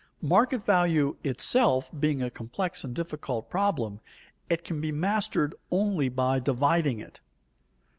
Market value itself being a complex and difficult problem, it can be mastered only by dividing it.